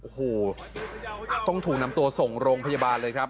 โอ้โหต้องถูกนำตัวส่งโรงพยาบาลเลยครับ